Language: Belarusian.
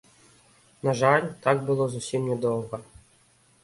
На жаль, так было зусім нядоўга.